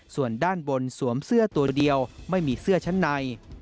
ส่วนด้านบนสวมเสื้อตัวเดียวไม่มีเสื้อชั้นใน